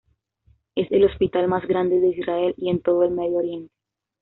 Es el hospital más grande de Israel, y en todo el Medio Oriente.